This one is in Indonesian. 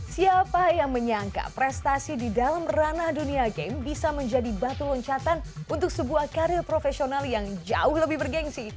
siapa yang menyangka prestasi di dalam ranah dunia game bisa menjadi batu loncatan untuk sebuah karir profesional yang jauh lebih bergensi